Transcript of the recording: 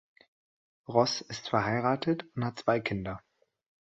Ross ist verheiratet und hat zwei Kinder.